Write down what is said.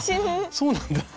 そうなんだ。